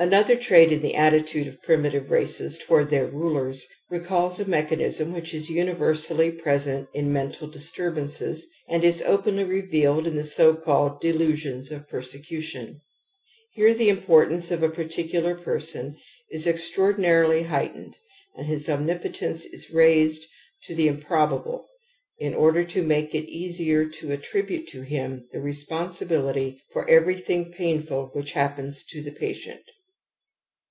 Another trait in the attitude of primitive race towards their rulers recalls a mechanism whic is universally present in mental disturbance and is openly revealed in the so called delusjo, ^CTseaiJg^ij^ Here the importance of a par Fcular person is extraordinarUy heightened and' , his omnipotence is raised to the improbable in order to jnake it easier to attribute to him the responsibility for everything painful which hap pens to the patient.